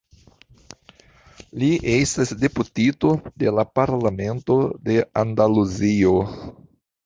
Li estas deputito de la Parlamento de Andaluzio.